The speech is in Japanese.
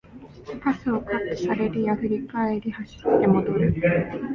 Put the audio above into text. パスをカットされるや振り返り走って戻る